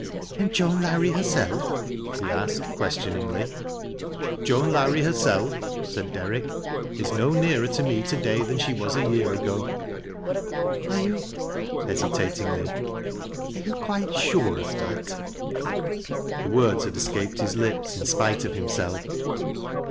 " And Joan Lowrie herself ?" he asked, questioningly " Joan Lowrie herself," said Derrick, " is no nearer t« me to day than she was a year ago." 324 TELAr LAna a? lowrisps. " Are you," — ^hesitatingly,— " are you quite aare oi that?" The words had escaped his lips in spite of himself.